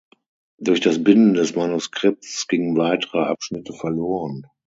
Durch das Binden des Manuskripts gingen weitere Abschnitte verloren.